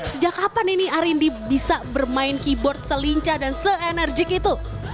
sejak kapan ini arindi bisa bermain keyboard selincah dan seenerjik itu